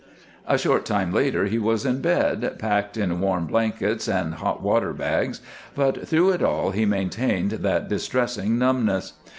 A short time later he was in bed, packed in warm blankets and hot water bags, but through it all he maintained that distressing dumbness.